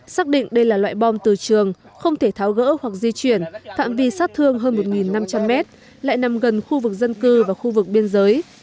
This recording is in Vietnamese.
xác định đây là loại bom từ trường không thể tháo gỡ hoặc di chuyển phạm vi sát thương hơn một năm trăm linh mét lại nằm gần khu vực dân cư và khu vực biên giới